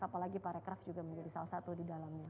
apalagi para aircraft juga menjadi salah satu di dalamnya